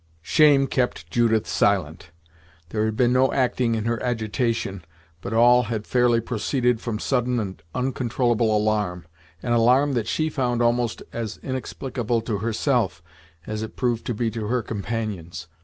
Shame kept Judith silent. There had been no acting in her agitation, but all had fairly proceeded from sudden and uncontrollable alarm an alarm that she found almost as inexplicable to herself, as it proved to be to her companions.